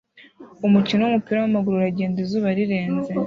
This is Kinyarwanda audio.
Umukino wumupira wamaguru uragenda izuba rirenze